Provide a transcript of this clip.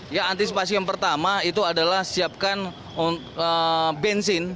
ya antisipasi yang pertama itu adalah siapkan bensin